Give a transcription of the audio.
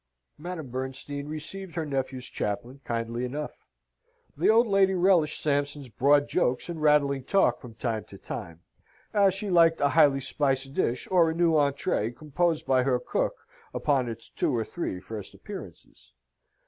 Madame Bernstein received her nephew's chaplain kindly enough. The old lady relished Sampson's broad jokes and rattling talk from time to time, as she liked a highly spiced dish or a new entree composed by her cook, upon its two or three first appearances.